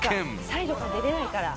サイドから出れないから。